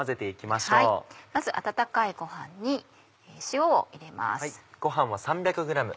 まず温かいごはんに塩を入れます。